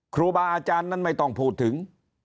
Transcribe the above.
ครูบาอาจารย์นั้นไม่ต้องพูดถึง